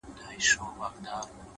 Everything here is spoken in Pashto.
ستا د شعر دنيا يې خوښـه سـوېده،